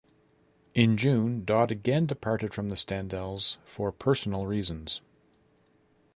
In June, Dodd again departed from the Standells for personal reasons.